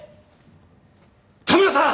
田村さん！